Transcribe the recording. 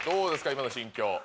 今の心境